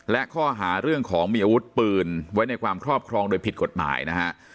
และข้อหาเรื่องของมีอาวุธปืนไว้ในความครอบครองโดยผิดกฎหมายนะฮะ